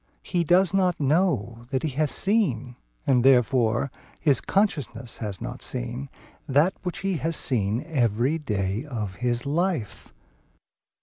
He does not know that he has seen (and therefore quoad his consciousness has not seen) that which he has seen every day of his life.